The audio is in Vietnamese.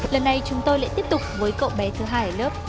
lần này chúng tôi lại tiếp tục với cậu bé thứ hai ở lớp